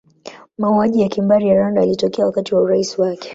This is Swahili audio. Mauaji ya kimbari ya Rwanda yalitokea wakati wa urais wake.